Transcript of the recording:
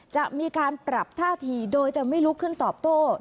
จะมีการปรับท่าทีโดยจะไม่ลุกขึ้นตอบโต้